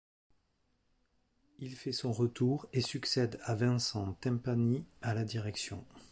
Il fait son retour et succède à Vincent Timpani à la direction.